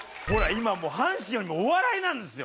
今もう阪神よりもお笑いなんですよ。